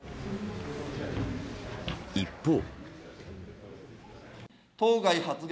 一方。